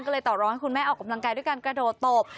ก็เลยต่อร้องให้คุณแม่ออกกำลังกายด้วยการกระโดดตบ